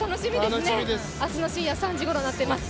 明日の深夜３時ごろになっています。